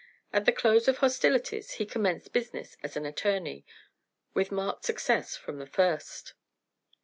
At the close of hostilities he commenced business as an attorney; with marked success from the first.